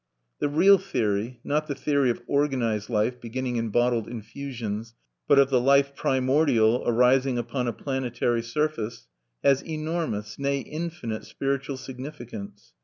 The real theory (not the theory of organized life beginning in bottled infusions, but of the life primordial arising upon a planetary surface) has enormous nay, infinite spiritual significance.